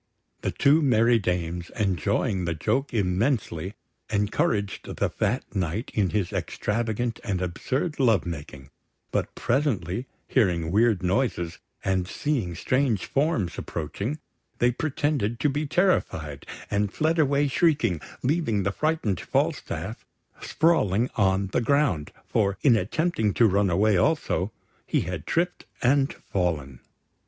The two merry dames, enjoying the joke immensely, encouraged the fat Knight in his extravagant and absurd love making; but presently, hearing weird noises, and seeing strange forms approaching, they pretended to be terrified, and fled away shrieking, leaving the frightened Falstaff sprawling on the ground, for, in attempting to run away also, he had tripped and fallen.